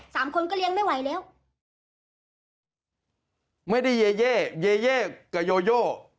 สามคนก็เลี้ยงไม่ไหวแล้วไม่ได้เยเย่เยเย่กับโยโย